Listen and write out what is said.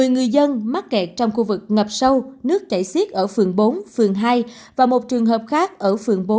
một mươi người dân mắc kẹt trong khu vực ngập sâu nước chảy xiết ở phường bốn phường hai và một trường hợp khác ở phường bốn